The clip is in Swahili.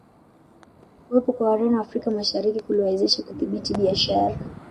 Kuwepo kwa Wareno Afrika Mashariki kuliwawezesha kudhibiti biashara